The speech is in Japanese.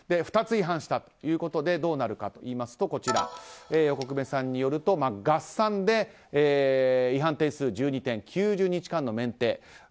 ２つ違反したということでどうなるかというと横粂さんによると合算で違反点数１２点９０日間の免停。